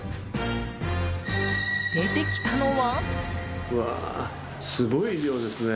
出てきたのは。